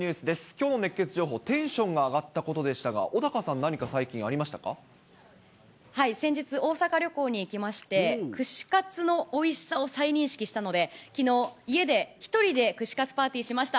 きょうの熱ケツ情報、テンションが上がったことでしたが、先日、大阪旅行に行きまして、串カツのおいしさを再認識したので、きのう、家で１人で串カツパーティーしました。